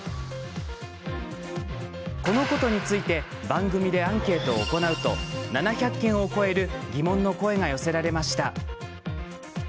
このことについて番組でアンケートを行うと７００件を超える疑問の声が寄せられました。